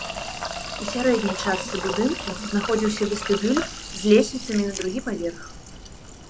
У сярэдняй частцы будынку знаходзіўся вестыбюль з лесвіцамі на другі паверх.